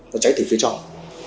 nó cháy từ phía trong